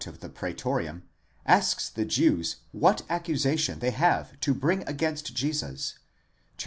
of the Pretorium, asks the Jews what accusation they have to bring against Jesus (xviii.